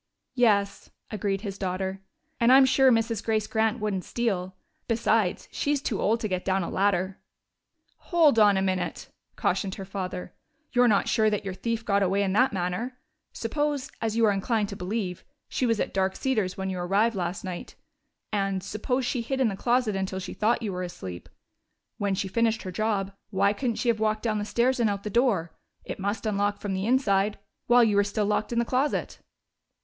"Yes," agreed his daughter. "And I'm sure Mrs. Grace Grant wouldn't steal. Besides, she's too old to get down a ladder." "Hold on a minute!" cautioned her father. "You're not sure that your thief got away in that manner. Suppose, as you are inclined to believe, she was at Dark Cedars when you arrived last night, and suppose she did hide in the closet until she thought you were asleep. When she finished her job, why couldn't she have walked down the stairs and out the door it must unlock from the inside while you were still locked in the closet?"